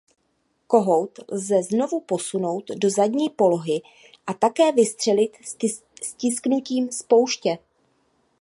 Kohout lze znovu posunout do zadní polohy a také vystřelit stisknutím spouště.